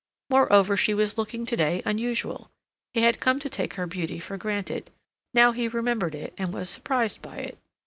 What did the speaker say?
Moreover, she was looking to day unusual; he had come to take her beauty for granted; now he remembered it and was surprised by it.